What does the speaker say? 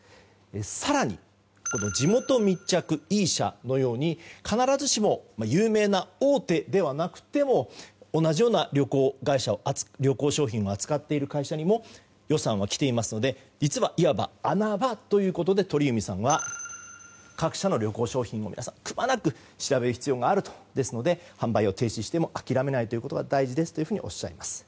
更に、地元密着Ｅ社のように必ずしも有名な大手ではなくても同じような旅行商品を扱っている会社にも予算は来ていますのでいわば穴場ということで鳥海さんは、各社の旅行商品を皆さん、くまなく調べる必要があるということですので販売を停止しても諦めないということが大事ですとおっしゃります。